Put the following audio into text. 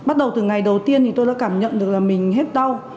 bắt đầu từ ngày đầu tiên thì tôi đã cảm nhận được là mình hết đau